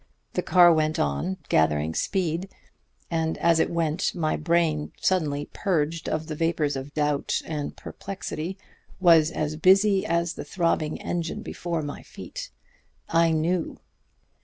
The car went on, gathering speed, and as it went, my brain, suddenly purged of the vapors of doubt and perplexity, was as busy as the throbbing engine before my feet. I knew.